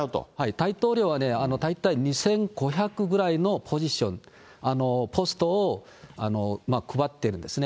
大統領はね、大体２５００ぐらいのポジション、ポストを配っているんですね。